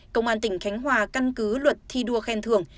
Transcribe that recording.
công an tỉnh khánh hòa căn cứ luật thi đua khen thường